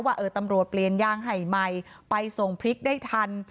ว่าตำรวจเปลี่ยนยางให้ใหม่ไปส่งพริกได้ทัน